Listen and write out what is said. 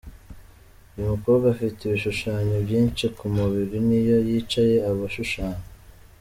Uyu mukobwa afite ibishushanyo byinshi ku mubiri n'iyo yicaye aba ashushanya.